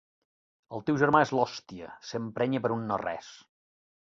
El teu germà és l'hòstia, s'emprenya per un no res.